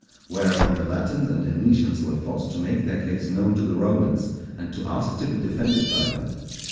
Whereupon the Latins and Hernicians were forced to make their case known to the Romans, and to ask to be defended by them.